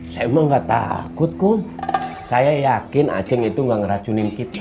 saya emang gak takut kok saya yakin aceh itu nggak ngeracunin kita